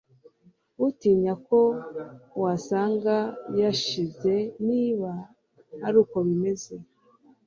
utinya ko wasanga yashize niba ari uko bimeze